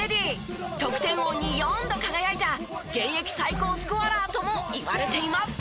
得点王に４度輝いた現役最高スコアラーともいわれています。